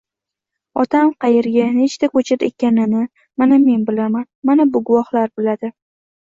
Otam qayerga nechta koʻchat ekkanini, mana men bilaman, mana bu guvohlar biladi.